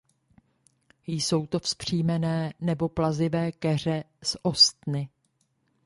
Jsou to vzpřímené nebo plazivé keře s ostny.